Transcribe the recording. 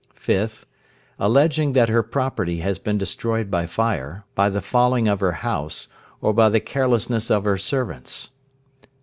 5th. Alleging that her property has been destroyed by fire, by the falling of her house, or by the carelessness of her servants.